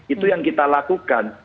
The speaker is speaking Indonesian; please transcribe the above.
itu yang kita lakukan